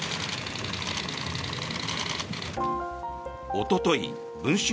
おととい、文春